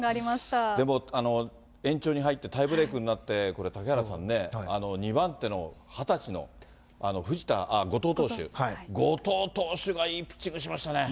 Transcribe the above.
でも延長に入って、タイブレークになって、これ、嵩原さんね、２番手の２０歳の後藤投手、後藤投手がいいピッチングしましたね。